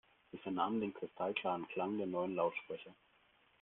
Wir vernahmen den kristallklaren Klang der neuen Lautsprecher.